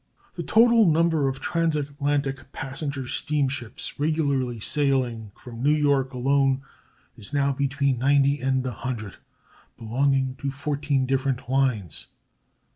The total number of transatlantic passenger steamships regularly sailing from New York alone is now between 90 and 100, belonging to 14 different lines.